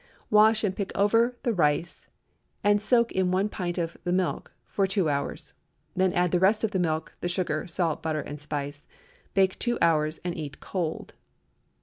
Wash and pick over the rice, and soak in one pint of the milk two hours. Then add the rest of the milk, the sugar, salt, butter and spice. Bake two hours, and eat cold.